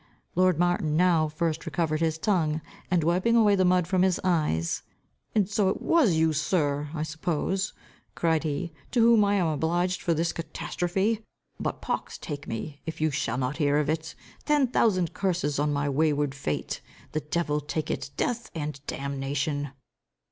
Lord Martin, now first recovered his tongue, and wiping away the mud from his eyes, "And so it was you, sir, I suppose," cried he, "to whom I am obliged for this catastrophe. But pox take me, if you shall not hear of it. Ten thousand curses on my wayward fate! The devil take it! Death and damnation!"